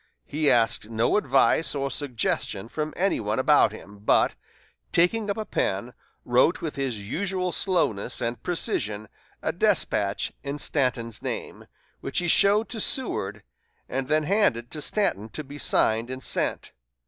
He asked no advice or suggestion from any one about him, but, taking up a pen, wrote with his usual slowness and precision a despatch in Stanton's name, which he showed to Seward, and then handed to Stanton to be signed and sent.